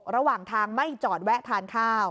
ระหว่างทางไม่จอดแวะทานข้าว